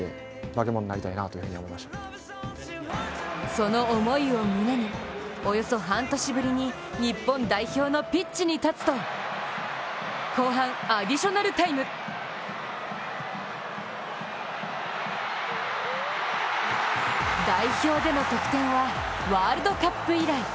その思いを胸に、およそ半年ぶりに日本代表のピッチに立つと後半、アディショナルタイム代表での得点はワールドカップ以来。